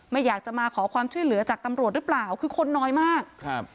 ไม่อยากจะมาขอความช่วยเหลือจากตำรวจหรือเปล่าคือคนน้อยมากครับ